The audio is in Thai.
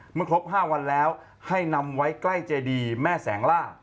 เมื่อครบ๕วันแล้วให้นำไว้ใกล้เจดีแม่แสงล่า